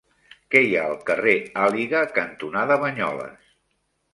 Què hi ha al carrer Àliga cantonada Banyoles?